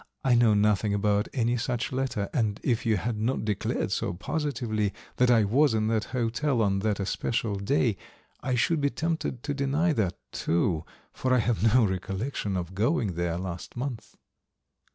"I know nothing about any such letter, and if you had not declared so positively that I was in that hotel on that especial day, I should be tempted to deny that, too, for I have no recollection of going there last month."